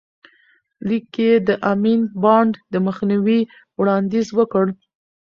لیک کې یې د امین بانډ د مخنیوي وړاندیز وکړ.